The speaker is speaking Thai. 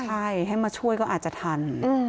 ใช่ให้มาช่วยก็อาจจะทัน